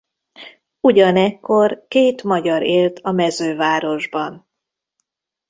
Ugyanekkor két magyar élt a mezővárosban.